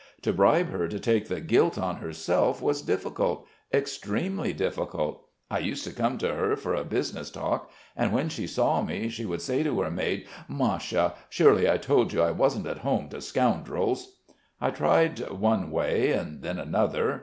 To bribe her to take the guilt on herself was difficult extremely difficult. I used to come to her for a business talk, and when she saw me, she would say to her maid: 'Masha, surely I told you I wasn't at home to scoundrels.' I tried one way, then another